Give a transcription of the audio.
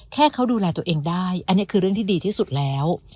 แค่เขาดูแลตัวเองได้อันนี้คือเรื่องที่ดีที่สุดแล้ว